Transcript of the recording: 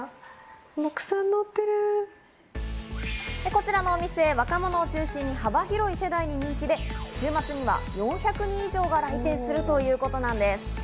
こちらのお店、若者を中心に幅広い世代に人気で、週末には４００人以上が来店するということなんです。